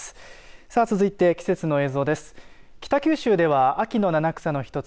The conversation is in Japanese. さあ、続いて季節の映像です。